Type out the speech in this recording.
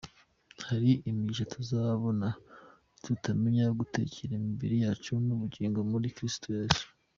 Hari imigisha tutazabona nitutamenya gutegekera imibiri yacu n’ubugingo muri Kristo Yesu.